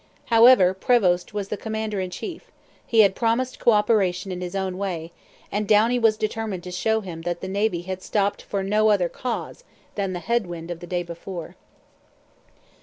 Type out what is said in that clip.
However, Prevost was the commander in chief; he had promised co operation in his own way; and Downie was determined to show him that the Navy had stopped for 'no other cause' than the head wind of the day before.